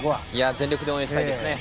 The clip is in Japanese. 全力で応援したいですね。